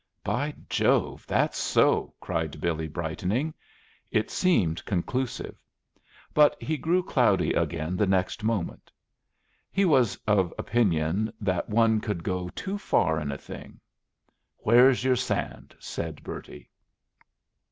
"By Jove, that's so!" cried Billy, brightening. It seemed conclusive. But he grew cloudy again the next moment. He was of opinion that one could go too far in a thing. "Where's your sand?" said Bertie.